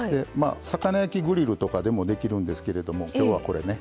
魚焼きグリルとかでもできるんですけれども今日はこれね。